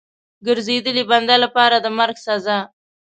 ګرځېدلي بنده لپاره د مرګ سزا.